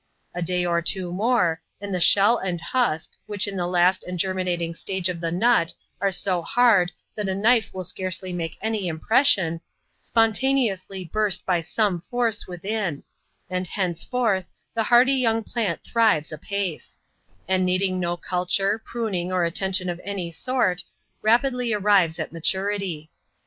A day or twa more, and the shell and husk, which in the last and germinating stage of tiie nut, are so hard that a kni£& will scarcely make any impression, spontaneously burst by some force within ; and, henceforth, the hardy young plant thrives apace; and needing no culture, pruning, or attention of any sort, rapidly arrives at maturity.